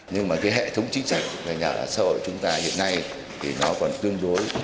nhưng mà cái hệ thống chính sách về nhà ở xã hội chúng ta hiện nay thì nó còn tương đối